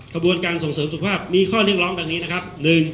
กระบวนการส่งเสริมสุขภาพมีข้อเรียกร้องดังนี้นะครับ